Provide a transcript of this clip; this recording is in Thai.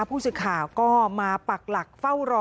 ผู้สื่อข่าวก็มาปักหลักเฝ้ารอ